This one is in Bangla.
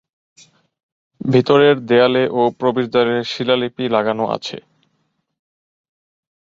ভিতরের দেয়ালে ও প্রবেশদ্বারে শিলালিপি লাগানো আছে।